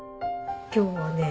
今日はね